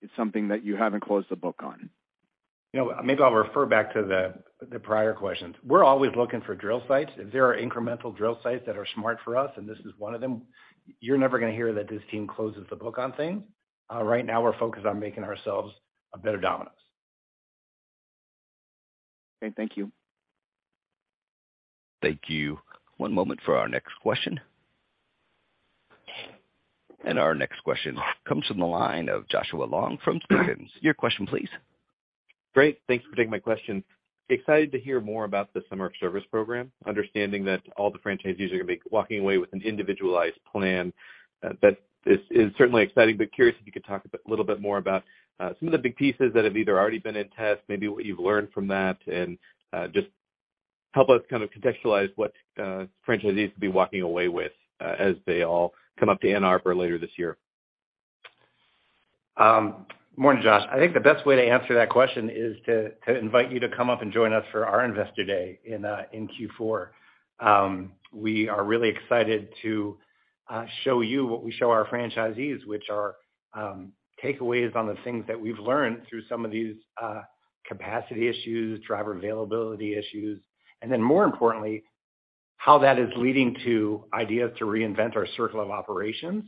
it's something that you haven't closed the book on. You know, maybe I'll refer back to the prior questions. We're always looking for drill sites. If there are incremental drill sites that are smart for us, and this is one of them, you're never gonna hear that this team closes the book on things. Right now we're focused on making ourselves a better Domino's. Okay, thank you. Thank you. One moment for our next question. Our next question comes from the line of Joshua Long from Stephens. Your question please. Great. Thanks for taking my question. Excited to hear more about the Summer of Service program, understanding that all the franchisees are gonna be walking away with an individualized plan. That is certainly exciting, but curious if you could talk a bit, little bit more about some of the big pieces that have either already been in test, maybe what you've learned from that, and just help us kind of contextualize what franchisees will be walking away with as they all come up to Ann Arbor later this year. Morning, Josh. I think the best way to answer that question is to invite you to come up and join us for our Investor Day in Q4. We are really excited to show you what we show our franchisees, which are takeaways on the things that we've learned through some of these capacity issues, driver availability issues. More importantly, how that is leading to ideas to reinvent our circle of operations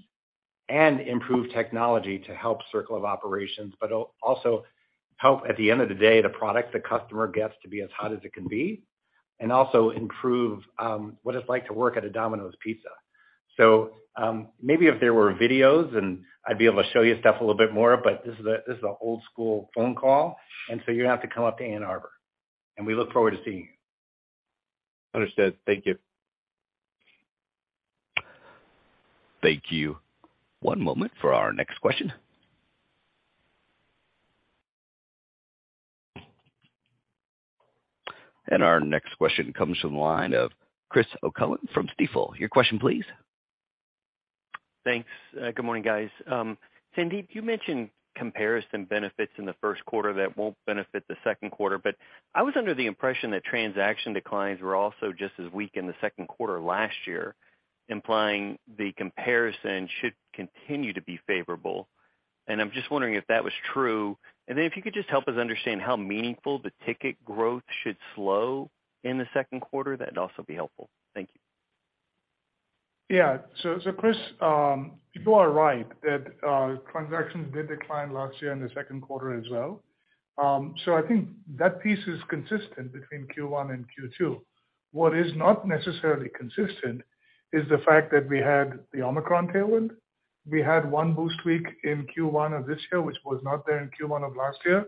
and improve technology to help circle of operations, but also help at the end of the day, the product the customer gets to be as hot as it can be and also improve what it's like to work at a Domino's Pizza. Maybe if there were videos and I'd be able to show you stuff a little bit more, but this is an old school phone call, and so you're gonna have to come up to Ann Arbor. We look forward to seeing you. Understood. Thank you. Thank you. one moment for our next question. Our next question comes from the line of Chris O'Cull from Stifel. Your question please. Good morning, guys. Sandeep, you mentioned comparison benefits in the 1st quarter that won't benefit the 2nd quarter, but I was under the impression that transaction declines were also just as weak in the 2nd quarter last year, implying the comparison should continue to be favorable. I'm just wondering if that was true. If you could just help us understand how meaningful the ticket growth should slow in the 2nd quarter, that'd also be helpful. Thank you. Chris, you are right that transactions did decline last year in the second quarter as well. I think that piece is consistent between Q1 and Q2. What is not necessarily consistent is the fact that we had the Omicron tailwind. We had one Boost Week in Q1 of this year, which was not there in Q1 of last year.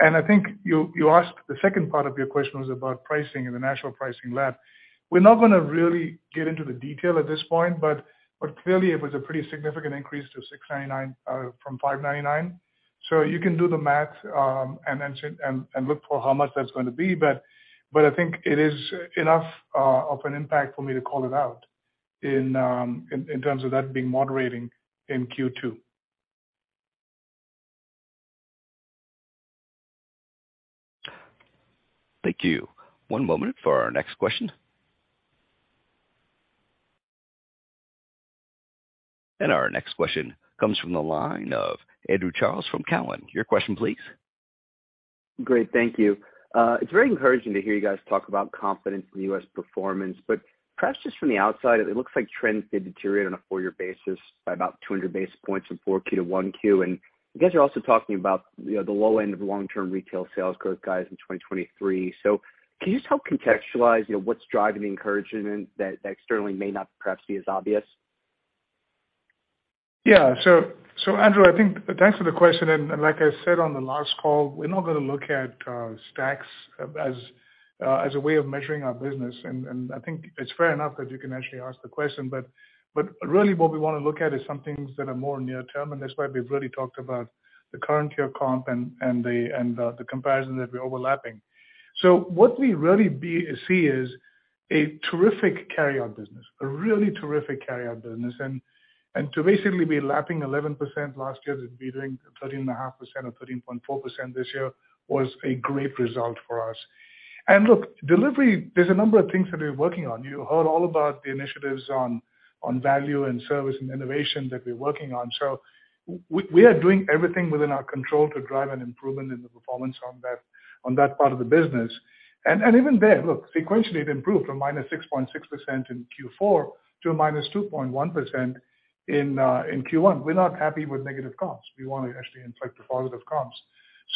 I think you asked the second part of your question was about pricing and the National Pricing Lab. We're not gonna really get into the detail at this point, but clearly it was a pretty significant increase to $6.99 from $5.99. You can do the math, and then look for how much that's gonna be. I think it is enough of an impact for me to call it out in terms of that being moderating in Q2. Thank you. One moment for our next question. Our next question comes from the line of Andrew Charles from Cowen. Your question please. Great. Thank you. It's very encouraging to hear you guys talk about confidence in the U.S. performance, but perhaps just from the outside, it looks like trends did deteriorate on a four-year basis by about 200 basis points from 4Q to 1Q. You guys are also talking about, you know, the low end of long-term retail sales growth guys in 2023. So can you just help contextualize, you know, what's driving the encouragement that externally may not perhaps be as obvious? Andrew, I think thanks for the question. Like I said on the last call, we're not gonna look at stacks as a way of measuring our business. I think it's fair enough that you can actually ask the question. Really what we wanna look at is some things that are more near-term, that's why we've really talked about the current year comp and the comparison that we're overlapping. What we really see is a terrific carry-out business, a really terrific carry-out business. To basically be lapping 11% last year to be doing 13.5% or 13.4% this year was a great result for us. Look, delivery, there's a number of things that we're working on. You heard all about the initiatives on value and service and innovation that we're working on. We are doing everything within our control to drive an improvement in the performance on that part of the business. Even there, look, sequentially it improved from -6.6% in Q4 to a -2.1% in Q1. We're not happy with negative comps. We wanna actually inflate to positive comps.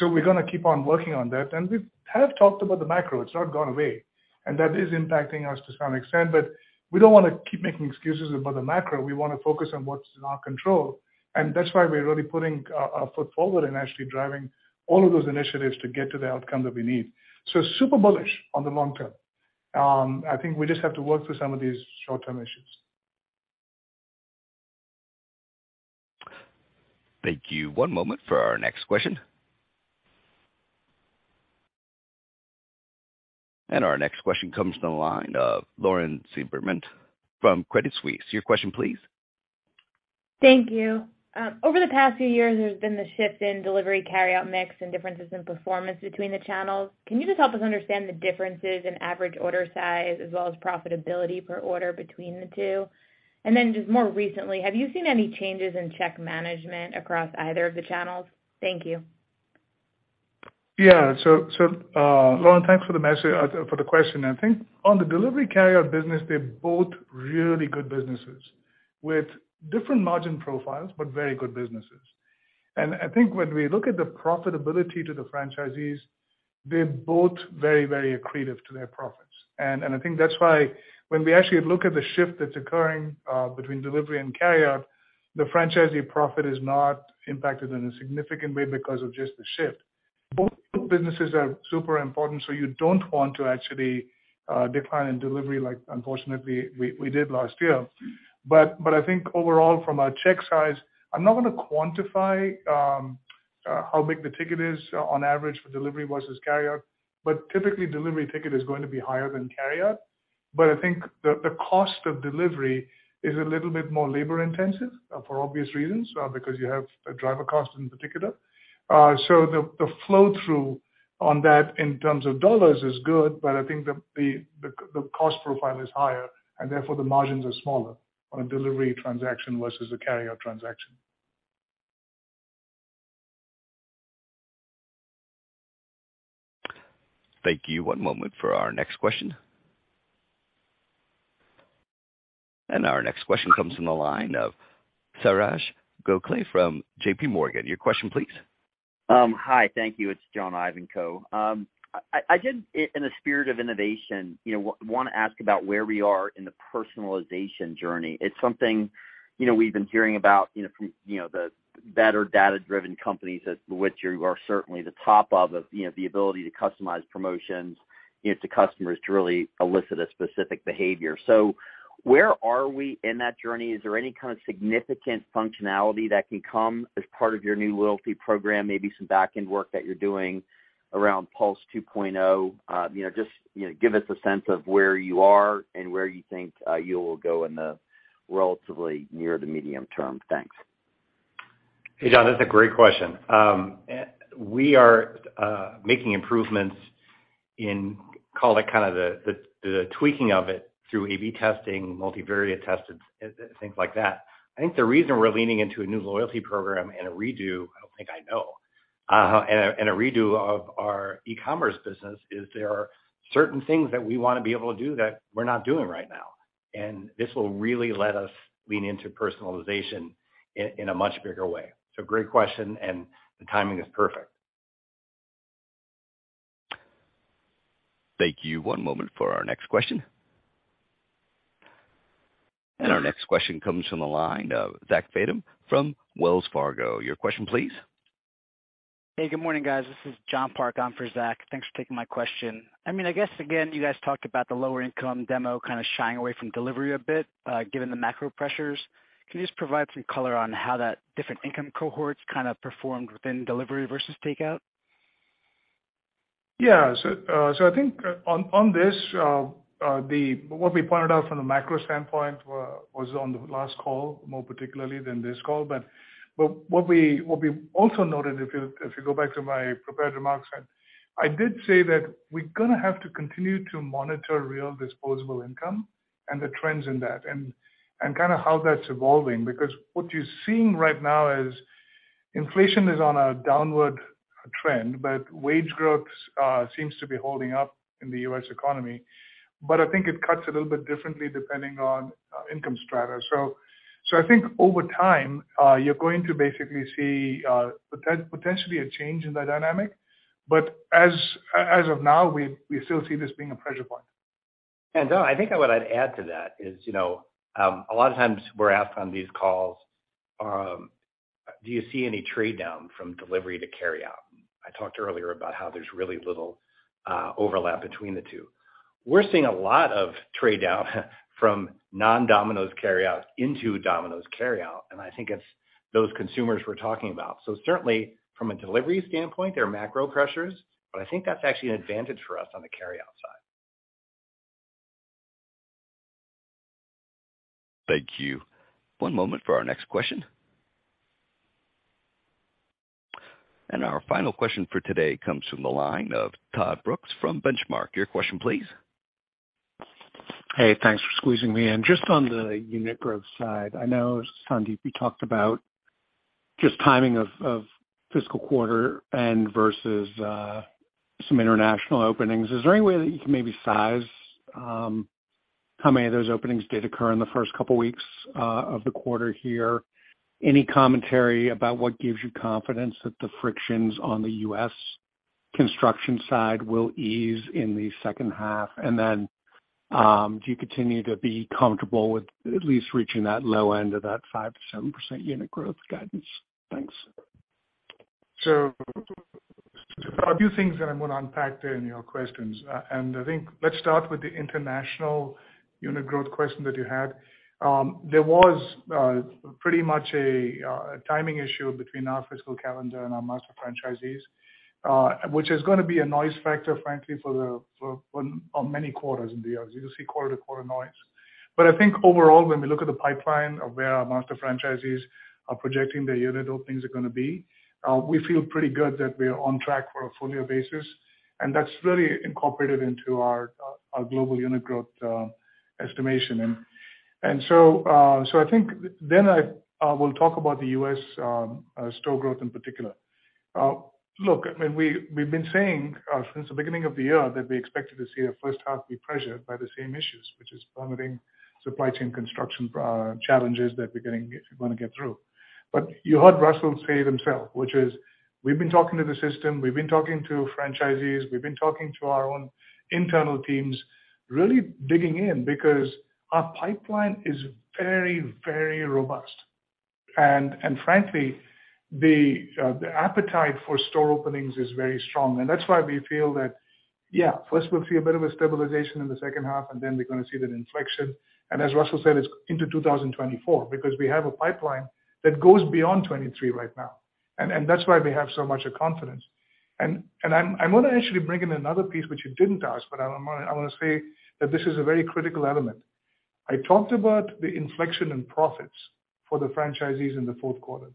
We're gonna keep on working on that. We have talked about the macro. It's not gone away. That is impacting us to some extent, but we don't wanna keep making excuses about the macro. We wanna focus on what's in our control. That's why we're really putting our foot forward and actually driving all of those initiatives to get to the outcome that we need. Super bullish on the long term. I think we just have to work through some of these short-term issues. Thank you. One moment for our next question. Our next question comes to the line of Lauren Silberman from Credit Suisse. Your question please. Thank you. Over the past few years, there's been the shift in delivery carry-out mix and differences in performance between the channels. Can you just help us understand the differences in average order size as well as profitability per order between the two? Just more recently, have you seen any changes in check management across either of the channels? Thank you. Lauren, thanks for the question. I think on the delivery carryout business, they're both really good businesses with different margin profiles, very good businesses. I think when we look at the profitability to the franchisees, they're both very accretive to their profits. I think that's why when we actually look at the shift that's occurring, between delivery and carry out, the franchisee profit is not impacted in a significant way because of just the shift. Both businesses are super important, you don't want to actually decline in delivery like unfortunately we did last year. I think overall from a check size, I'm not gonna quantify how big the ticket is on average for delivery versus carry out, typically, delivery ticket is going to be higher than carry out. I think the cost of delivery is a little bit more labor-intensive for obvious reasons because you have a driver cost in particular. So the flow through on that in terms of dollars is good, but I think the cost profile is higher and therefore the margins are smaller on a delivery transaction versus a carry out transaction. Thank you. One moment for our next question. Our next question comes from the line of John Ivankoe from JPMorgan. Your question please. Hi. Thank you. It's John Ivankoe. I did in the spirit of innovation, you know, wanna ask about where we are in the personalization journey. It's something, you know, we've been hearing about, you know, from, you know, the better data-driven companies as which you are certainly the top of, you know, the ability to customize promotions, you know, to customers to really elicit a specific behavior. Where are we in that journey? Is there any kind of significant functionality that can come as part of your new loyalty program, maybe some back-end work that you're doing around PULSE 2.0? You know, just, you know, give us a sense of where you are and where you think you'll go in the relatively near the medium term. Thanks. Hey, John, that's a great question. And we are making improvements in, call it kinda the tweaking of it through AB testing, multivariate testing, things like that. I think the reason we're leaning into a new loyalty program and a redo, I don't think I know, and a redo of our e-commerce business is there are certain things that we wanna be able to do that we're not doing right now, and this will really let us lean into personalization in a much bigger way. Great question, and the timing is perfect. Thank you. One moment for our next question. Our next question comes from the line of Zach Fadem from Wells Fargo. Your question please. Hey, good morning, guys. This is John Park on for Zach. Thanks for taking my question. I mean, I guess again, you guys talked about the lower income demo kinda shying away from delivery a bit, given the macro pressures. Can you just provide some color on how that different income cohorts kinda performed within delivery versus takeout? I think on this, what we pointed out from the macro standpoint was on the last call, more particularly than this call. What we also noted, if you go back to my prepared remarks, and I did say that we're going to have to continue to monitor real disposable income and the trends in that and kind of how that's evolving. What you're seeing right now is inflation is on a downward trend, but wage growth seems to be holding up in the U.S. economy. I think it cuts a little bit differently depending on income strata. I think over time, you're going to basically see potentially a change in the dynamic. As of now, we still see this being a pressure point. I think what I'd add to that is, you know, a lot of times we're asked on these calls, do you see any trade-down from delivery to carryout? I talked earlier about how there's really little overlap between the two. We're seeing a lot of trade-down from non-Domino's carryout into Domino's carryout, I think it's those consumers we're talking about. Certainly from a delivery standpoint, there are macro pressures, but I think that's actually an advantage for us on the carryout side. Thank you. One moment for our next question. Our final question for today comes from the line of Todd Brooks from Benchmark. Your question please. Hey, thanks for squeezing me in. Just on the unit growth side, I know Sandeep, you talked about just timing of fiscal quarter and versus some international openings. Is there any way that you can maybe size how many of those openings did occur in the first couple weeks of the quarter here? Any commentary about what gives you confidence that the frictions on the U.S. construction side will ease in the second half? Then, do you continue to be comfortable with at least reaching that low end of that 5%-7% unit growth guidance? Thanks. A few things that I'm gonna unpack there in your questions. I think let's start with the international unit growth question that you had. There was pretty much a timing issue between our fiscal calendar and our master franchisees, which is gonna be a noise factor, frankly, for many quarters and years. You'll see quarter to quarter noise. I think overall, when we look at the pipeline of where our master franchisees are projecting their unit openings are gonna be, we feel pretty good that we are on track for a full year basis. That's really incorporated into our global unit growth estimation. I think then I will talk about the U.S. store growth in particular. Look, I mean, we've been saying since the beginning of the year that we expected to see our first half be pressured by the same issues, which is permitting supply chain construction challenges that we're gonna get through. You heard Russell say it himself, which is we've been talking to the system, we've been talking to franchisees, we've been talking to our own internal teams, really digging in because our pipeline is very, very robust. Frankly, the appetite for store openings is very strong. That's why we feel that, yeah, first we'll see a bit of a stabilization in the second half, and then we're gonna see that inflection. As Russell said, it's into 2024 because we have a pipeline that goes beyond 2023 right now. That's why we have so much confidence. I wanna actually bring in another piece which you didn't ask, but I wanna say that this is a very critical element. I talked about the inflection in profits for the franchisees in the fourth quarter.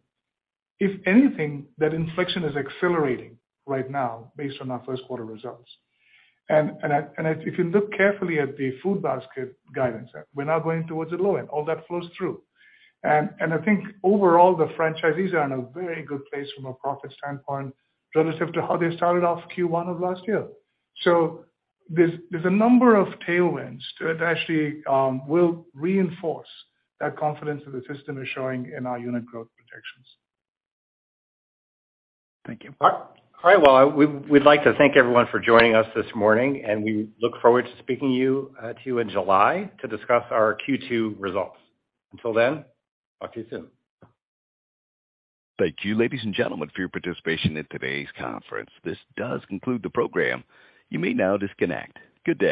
If anything, that inflection is accelerating right now based on our first quarter results. If you look carefully at the food basket guidance, we're now going towards the low end. All that flows through. I think overall, the franchisees are in a very good place from a profit standpoint relative to how they started off Q1 of last year. There's a number of tailwinds that actually will reinforce that confidence that the system is showing in our unit growth projections. Thank you. All right. Well, we'd like to thank everyone for joining us this morning. We look forward to speaking to you in July to discuss our Q2 results. Until then, talk to you soon. Thank you, ladies and gentlemen, for your participation in today's conference. This does conclude the program. You may now disconnect. Good day.